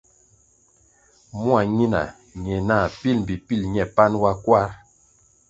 Mua ñina ñe nah pil mbpi pil ñe panʼ wa kwarʼ.